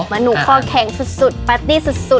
มะหนูคอแข็งสุดสุดป็าร์ตี้สุดสุด